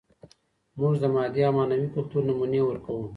موږ د مادي او معنوي کلتور نمونې ورکوو.